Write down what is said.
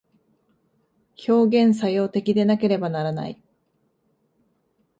表現作用的でなければならない。